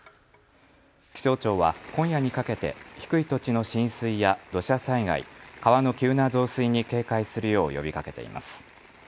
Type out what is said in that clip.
気象庁は今夜にかけて低い土地の浸水や土砂災害、川の急な増水に警戒するよう呼びかけています。